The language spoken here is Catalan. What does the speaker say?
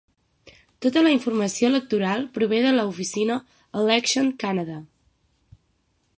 Tota la informació electoral prové de la oficina Elections Canada.